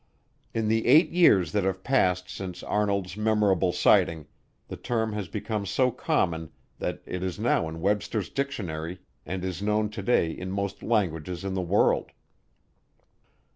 In the eight years that have passed since Arnold's memorable sighting, the term has become so common that it is now in Webster's Dictionary and is known today in most languages in the world.